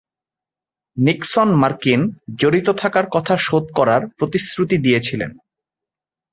Nixon মার্কিন জড়িত থাকার কথা শোধ করার প্রতিশ্রুতি দিয়েছিলেন।